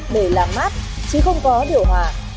để làm mát chứ không có điều hòa